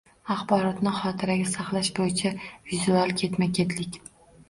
Axborotni xotiraga saqlash bo‘yicha vizual ketma-ketlik